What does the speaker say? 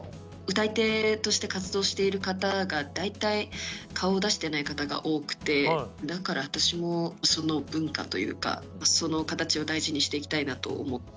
歌い手として活動している方が大体顔を出してない方が多くてだから私もその文化というかそのかたちを大事にしていきたいなと思っております。